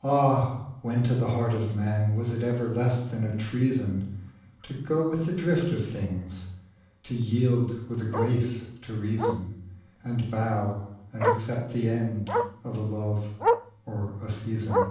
'Ah, when to the heart of manWas it ever less than a treasonTo go with the drift of things, To yield with a grace to reason, And bow and accept the endOf a love or a season?